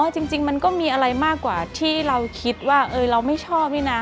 จริงมันก็มีอะไรมากกว่าที่เราคิดว่าเราไม่ชอบนี่นะ